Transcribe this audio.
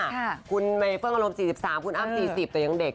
อายุเท่าไหร่นะ๔๕คุณเฟิร์นกระโลม๔๓คุณอัม๔๐ตัวอย่างเด็ก